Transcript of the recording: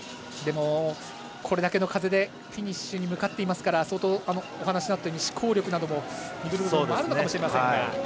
でも、これだけの風でフィニッシュに向かっていますから相当、思考力など落ちる部分もあるかもしれません。